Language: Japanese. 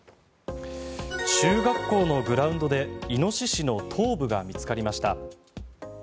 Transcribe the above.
中学校のグラウンドでイノシシの頭部が見つかりました。